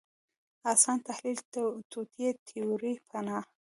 اسان تحلیل توطیې تیوري پناه